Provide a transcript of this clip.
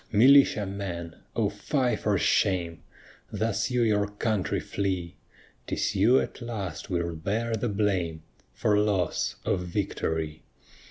Militia men! O fie for shame! Thus you your country flee. 'Tis you at last will bear the blame For loss of victory.